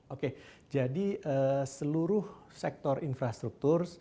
oke jadi seluruh sektor infrastruktur